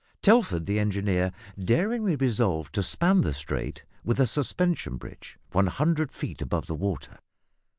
Telford, the engineer, daringly resolved to span the strait with a suspension bridge 100 feet above the water.